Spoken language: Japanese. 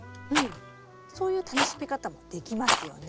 そういう楽しみ方もできますよね。